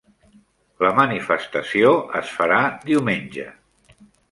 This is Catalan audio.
La manifestació es farà diumenge